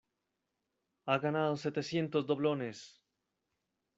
¡ ha ganado setecientos doblones!